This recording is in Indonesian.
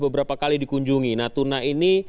beberapa kali dikunjungi natuna ini